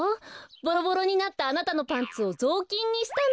ボロボロになったあなたのパンツをぞうきんにしたの。